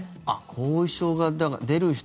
後遺症が出る人。